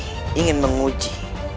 aku akan menangkapnya